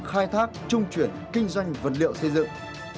khai thác trung chuyển kinh doanh vật liệu xây dựng